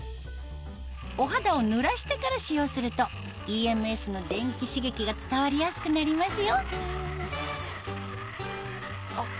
お肌をぬらしてから使用するとＥＭＳの電気刺激が伝わりやすくなりますよあっ